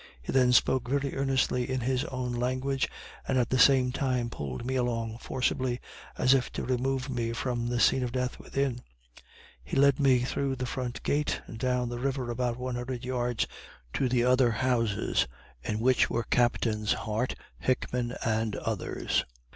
He then spoke very earnestly in his own language, and at the same time pulled me along forcibly, as if to remove me from the scene of death within. He led me through the front gate, and down the river about one hundred yards to the other houses, in which were Captains Hart, Hickman, and others.